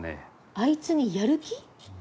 あいつにやる気？